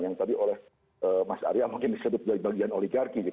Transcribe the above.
yang tadi oleh mas arya mungkin disebut dari bagian oligarki